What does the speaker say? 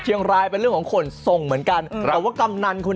พี่ส่งให้แล้วนะ